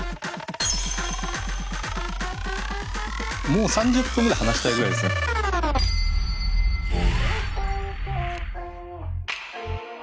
もう３０分ぐらい話したいぐらいですね。